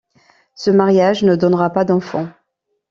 Ce mariage ne donnera pas d'enfants.